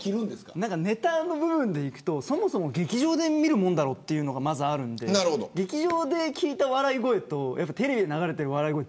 ネタでいうと、そもそも劇場で見るものだろうというのがまずあるので劇場で聞いた笑い声とテレビで流れている笑い声